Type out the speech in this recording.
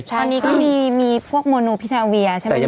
ตอนนี้ก็มีมีพวกโมโนลมือผิตเร้ววิทึย์ใช่ไหมครับ